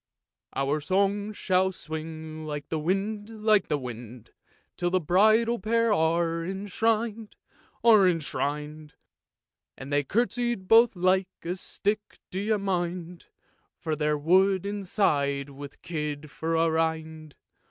" Our song shall swing like the wind, like the wind, Till the bridal pair are enshrin'd, are enshrin'd, And they curtsey both like a stick, do you mind ? For they're wood inside with kid for a rind.